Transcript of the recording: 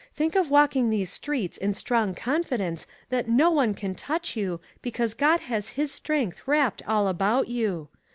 Think of walking these streets in strong confidence that no one can touch you, because God has his strength wrapped all about you.